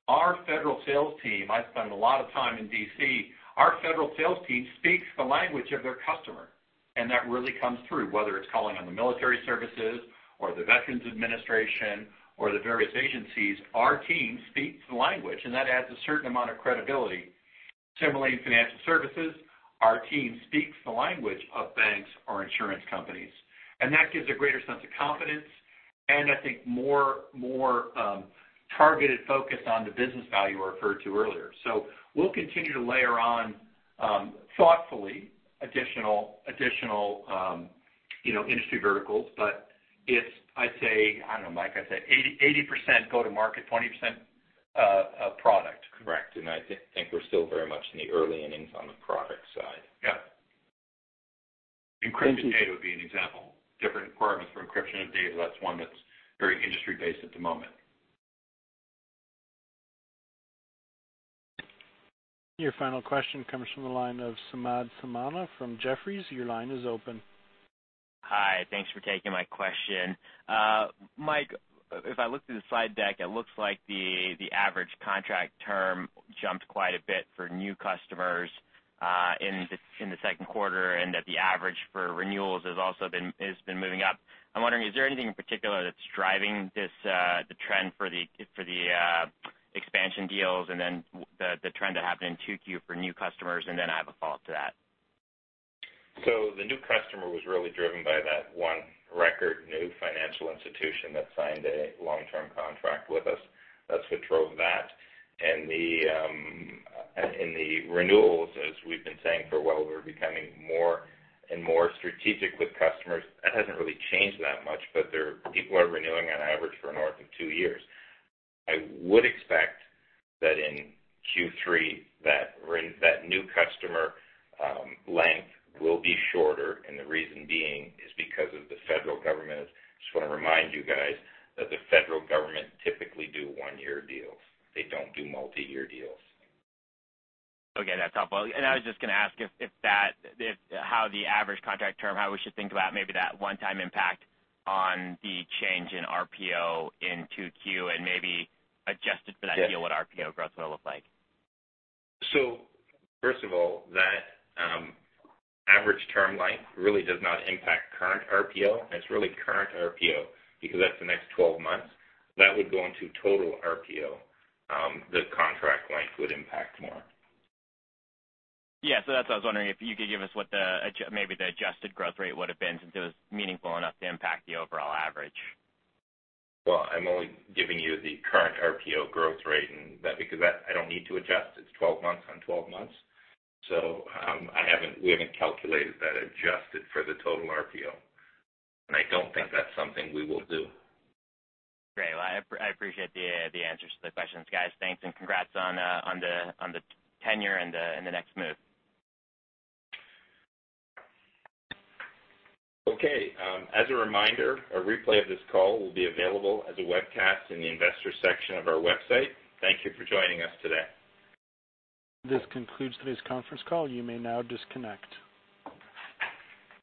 our federal sales team, I spend a lot of time in D.C., our federal sales team speaks the language of their customer, and that really comes through, whether it's calling on the military services or the Veterans Administration or the various agencies. Our team speaks the language, and that adds a certain amount of credibility. Similarly, in financial services, our team speaks the language of banks or insurance companies, and that gives a greater sense of confidence and I think more targeted focus on the business value I referred to earlier. We'll continue to layer on, thoughtfully, additional industry verticals. It's, I'd say, I don't know, Mike, I'd say 80% go to market, 20% product. Correct. I think we're still very much in the early innings on the product side. Yeah. Encrypted data would be an example. Different requirements for encryption of data, that's one that's very industry-based at the moment. Your final question comes from the line of Samad Samana from Jefferies. Your line is open. Hi. Thanks for taking my question. Mike, if I look through the slide deck, it looks like the average contract term jumped quite a bit for new customers in the second quarter, and that the average for renewals has also been moving up. I'm wondering, is there anything in particular that's driving the trend for the expansion deals and then the trend that happened in 2Q for new customers? I have a follow-up to that. The new customer was really driven by that one-record new financial institution that signed a long-term contract with us. That's what drove that. In the renewals, as we've been saying for a while, we're becoming more and more strategic with customers. That hasn't really changed that much, but people are renewing on average for north of two years. I would expect that in Q3 that new customer length will be shorter, and the reason being is because of the federal government. I just want to remind you guys that the federal government typically do one-year deals. They don't do multi-year deals. Okay, that's helpful. I was just going to ask how the average contract term, how we should think about maybe that one-time impact on the change in RPO in 2Q and maybe adjusted for that deal, what RPO growth will look like. First of all, that average term length really does not impact current RPO. It's really current RPO because that's the next 12 months. That would go into total RPO, the contract length would impact more. Yeah. That's why I was wondering if you could give us what maybe the adjusted growth rate would've been since it was meaningful enough to impact the overall average. I'm only giving you the current RPO growth rate, and because I don't need to adjust, it's 12 months on 12 months. We haven't calculated that adjusted for the total RPO, and I don't think that's something we will do. Great. Well, I appreciate the answers to the questions, guys. Thanks. Congrats on the tenure and the next move. As a reminder, a replay of this call will be available as a webcast in the Investors section of our website. Thank you for joining us today. This concludes today's conference call. You may now disconnect.